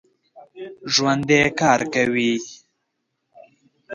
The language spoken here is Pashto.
ژوندي کار کوي